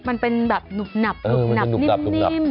มันเป็นแบบหนุบหนับหนุบหนับนิ่ม